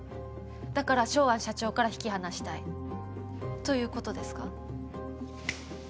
だからショウアン社長から引き離したい。ということですか？